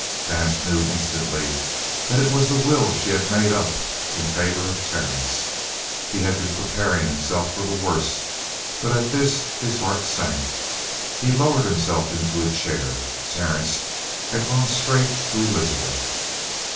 Vance knew instantly that it was the will she had made up in favor of Terence. He had been preparing himself for the worst, but at this his heart sank. He lowered himself into a chair. Terence had gone straight to Elizabeth.